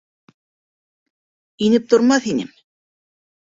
Инеп тормаҫ инем...